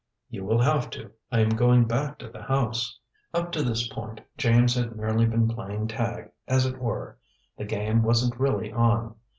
"You will have to. I am going back to the house." Up to this point, James had merely been playing tag, as it were. The game wasn't really on.